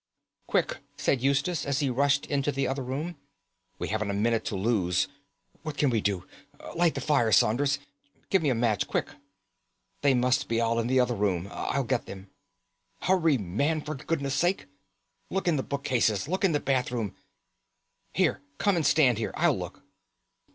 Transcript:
"Quick!" said Eustace, as he rushed into the other room; "we haven't a minute to lose. What can we do? Light the fire, Saunders. Give me a match, quick!" "They must be all in the other room. I'll get them." "Hurry, man, for goodness' sake! Look in the bookcase! Look in the bathroom! Here, come and stand here; I'll look."